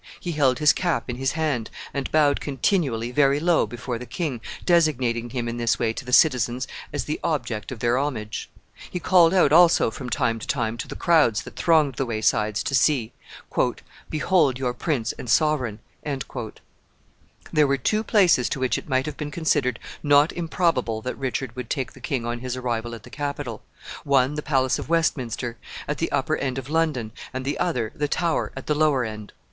He held his cap in his hand, and bowed continually very low before the king, designating him in this way to the citizens as the object of their homage. He called out also, from time to time, to the crowds that thronged the waysides to see, "Behold your prince and sovereign." There were two places to which it might have been considered not improbable that Richard would take the king on his arrival at the capital one the palace of Westminster, at the upper end of London, and the other, the Tower, at the lower end.